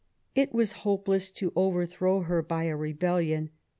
It was hopeless to overthrow her by a rebellion.